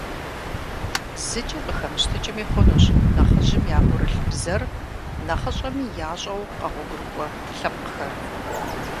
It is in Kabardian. ЗыкӀи къыхэмыщтыкӀми хъунущ нэхъыжьым яӀурылъ бзэр нэхъыщӀэми ящӀэу къэгъуэгурыкӀуэ лъэпкъхэр.